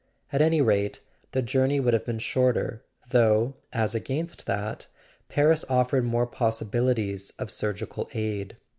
At any rate, the journey would have been shorter; though, as against that, Paris offered more possibilities of surgical aid.